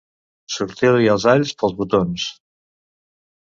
Sortir-li els alls pels botons.